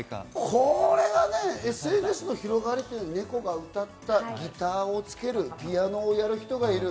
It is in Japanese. ＳＮＳの広がりというのは猫が歌ったギターをつける、ピアノをやる人がいる。